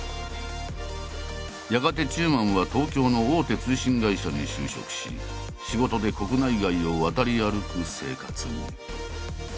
やがて中馬は東京の大手通信会社に就職し仕事で国内外を渡り歩く生活に。